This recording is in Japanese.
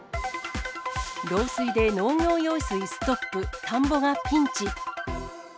漏水で農業用水ストップ、田んぼがピンチ。